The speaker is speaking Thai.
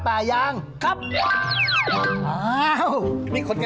เฮ้ยอย่าให้ผมเจอตัวไอ้ร้อนนะ